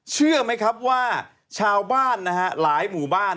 เชื่อมั้ยครับว่าชาวบ้านหลายหมู่บ้าน